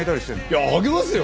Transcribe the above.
いやあげますよ。